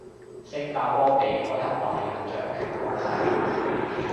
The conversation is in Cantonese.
星加坡被海峽華人掌權控制